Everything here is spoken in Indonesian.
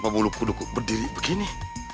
kamu lupa dulu kok berdiri begini